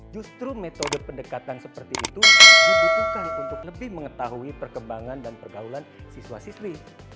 justru metode pendekatan seperti itu dibutuhkan untuk lebih mengetahui perkembangan dan pergaulan siswa siswi